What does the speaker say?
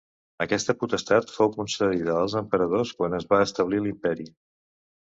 Aquesta potestat fou concedida als emperadors quan es va establir l'Imperi.